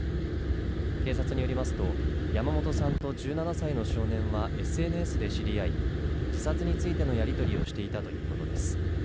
警察によりますと、山本さんと１７歳の少年はＳＮＳで知り合い自殺についてのやりとりをしていたということです。